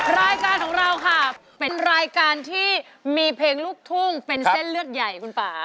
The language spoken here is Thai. รายการของเราค่ะเป็นรายการที่มีเพลงลูกทุ่งเป็นเส้นเลือดใหญ่คุณป่า